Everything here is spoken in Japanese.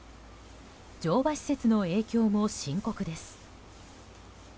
乗馬施設の影響も深刻です。